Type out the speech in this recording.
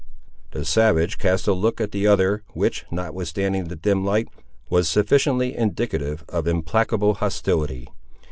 The savage cast a look at the other, which, notwithstanding the dim light, was sufficiently indicative of implacable hostility.